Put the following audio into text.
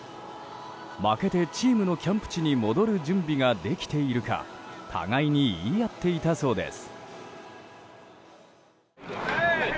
負けてチームのキャンプ地に戻る準備ができているか互いに言い合っていたそうです。